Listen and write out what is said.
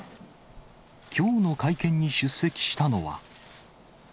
きょうの会見に出席したのは。